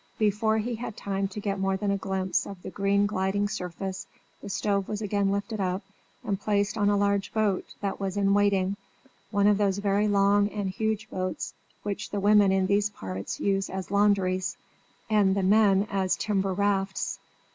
Before he had time to get more than a glimpse of the green gliding surface, the stove was again lifted up and placed on a large boat that was in waiting one of those very long and huge boats which the women in these parts use as laundries, and the men as timber rafts.